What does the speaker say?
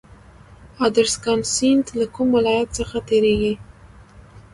ادرسکن سیند له کوم ولایت تیریږي؟